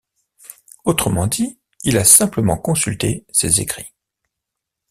Autrement dit, il a simplement consulté ses écrits.